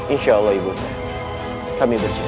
insya allah ibunda kami bercerai